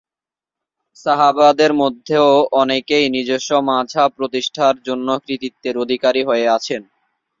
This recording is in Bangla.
সাহাবাদের মধ্যেও অনেকেই নিজস্ব মাযহাব প্রতিষ্ঠার জন্য কৃতিত্বের অধিকারী হয়ে আছেন।